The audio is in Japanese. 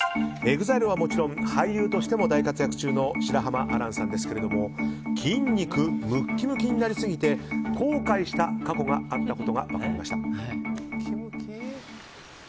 ＥＸＩＬＥはもちろん俳優として大活躍中の白濱亜嵐さんですけども筋肉ムキムキになりすぎて後悔した過去があったことが明らかになりました。